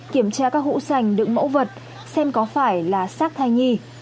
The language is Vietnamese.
kiểm tra các hũ sành đựng mẫu vật xem có phải là xác thai nhi